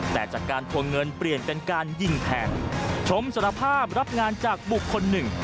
แต่จากการทวงเงินเปลี่ยนเป็นการยิงแทงชมสารภาพรับงานจากบุคคลหนึ่ง